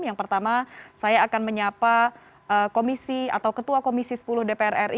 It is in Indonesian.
yang pertama saya akan menyapa komisi atau ketua komisi sepuluh dpr ri